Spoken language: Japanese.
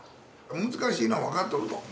難しいのは分かっとると。